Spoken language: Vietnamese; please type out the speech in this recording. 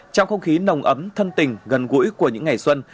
trong không khí nồng ấm thân tình gần gũi của những ngày xuân